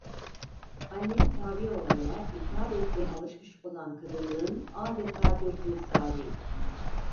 Annem, tabi olmaya, itaat etmeye alışmış olan kadınlığın adeta bir timsaliydi.